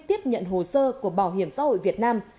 tiếp nhận hồ sơ của bảo hiểm xã hội việt nam